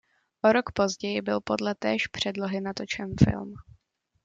O rok později byl podle též předlohy natočen film.